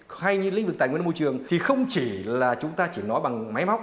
hay như lĩnh vực tài nguyên môi trường thì không chỉ là chúng ta chỉ nói bằng máy móc